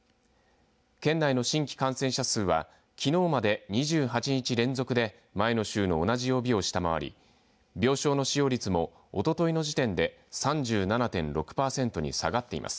県内の新規感染者数はきのうまで、２８日連続で前の週の同じ曜日を下回り病床の使用率もおとといの時点で３７．６パーセントに下がっています。